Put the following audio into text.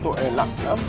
tôi sẽ gặp các bác thầy